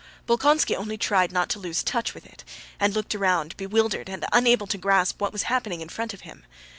Bolkónski only tried not to lose touch with it, and looked around bewildered and unable to grasp what was happening in front of him.